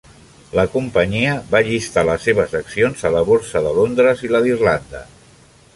La companyia va llistar les seves accions a la borsa de Londres i la d"Irlanda.